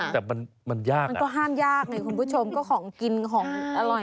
แต่มันยากมันก็ห้ามยากไงคุณผู้ชมก็ของกินของอร่อย